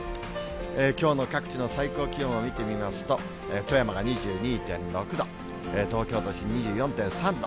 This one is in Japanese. きょうの各地の最高気温を見てみますと、富山が２２．６度、東京都心２４．３度。